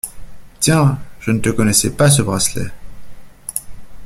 Tiens ! je ne te connaissais pas ce bracelet.